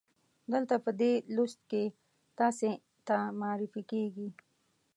دلته په دې لوست کې تاسې ته معرفي کیږي.